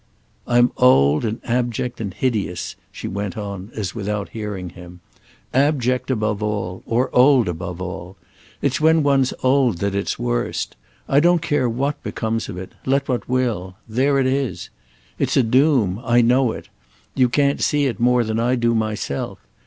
"I'm old and abject and hideous"—she went on as without hearing him. "Abject above all. Or old above all. It's when one's old that it's worst. I don't care what becomes of it—let what will; there it is. It's a doom—I know it; you can't see it more than I do myself.